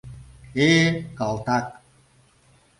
— Э-э, калтак!..